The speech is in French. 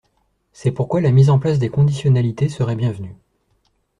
C’est pourquoi la mise en place de conditionnalités serait bienvenue.